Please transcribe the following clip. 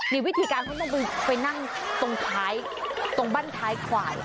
นี่วิธีการเขาต้องไปนั่งตรงท้ายตรงบ้านท้ายควาย